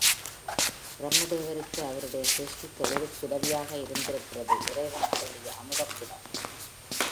பிரம்மதேவருக்கு அவருடைய சிருஷ்டித் தொழிலுக்கு உதவியாக இருந்திருக்கிறது இறைவன் அருளிய அமுதக் குடம்.